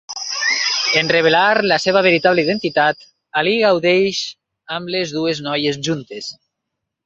En revelar la seva veritable identitat, Ali gaudeix amb les dues noies juntes.